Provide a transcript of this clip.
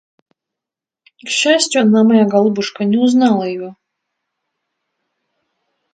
К счастию, она, моя голубушка, не узнала его.